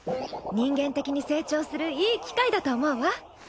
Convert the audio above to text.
人間的に成長するいい機会だと思うわ。